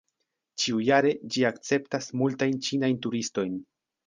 Ĉiujare ĝi akceptas multajn ĉinajn turistojn.